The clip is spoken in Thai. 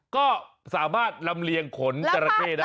ก็สามารถลำเลียงขนจราเข้ได้